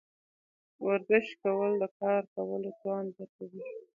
ورزش کول د کار کولو توان زیاتوي.